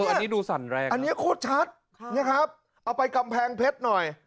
อันนี้ดูสั่นแรงอันนี้โคตรชัดนะครับเอาไปกำแพงเพชรหน่อย